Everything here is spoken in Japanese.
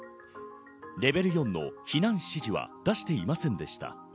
レベル４の避難指示は出していませんでした。